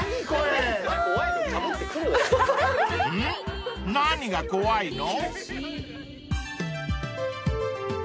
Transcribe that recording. ［うん？何が怖いの？］